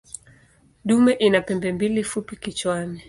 Dume ina pembe mbili fupi kichwani.